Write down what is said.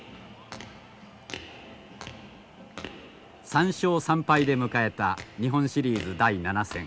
３勝３敗で迎えた日本シリーズ第７戦。